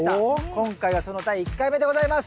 今回はその第１回目でございます。